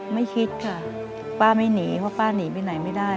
ไม่คิดค่ะป้าไม่หนีเพราะป้าหนีไปไหนไม่ได้